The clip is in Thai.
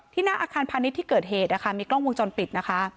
หน้าอาคารพาณิชย์ที่เกิดเหตุนะคะมีกล้องวงจรปิดนะคะ